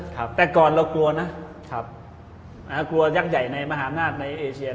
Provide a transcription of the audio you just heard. แต่ก่อนเรากลัวนะกลัวยักใหญ่ในมหาลาศในเอเชียน